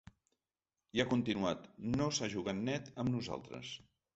I ha continuat: No s’ha jugat net amb nosaltres.